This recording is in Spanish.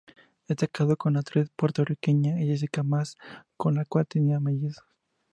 Está casado con la actriz puertorriqueña Jessica Mas, con la cual tiene mellizos.